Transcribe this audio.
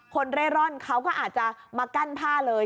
เร่ร่อนเขาก็อาจจะมากั้นผ้าเลย